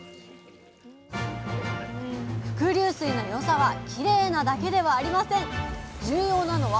伏流水の良さはきれいなだけではありません！